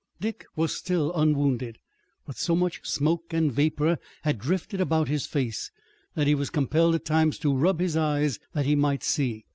Dick was still unwounded, but so much smoke and vapor had drifted about his face that he was compelled at times to rub his eyes that he might see.